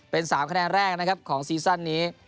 เป็น๓คะแนนแรกนะครับของซีซั่นนี้